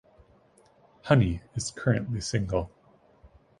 Honey is currently single.